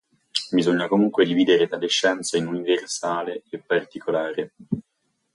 Bisogna comunque dividere tale scienza in: universale e particolare.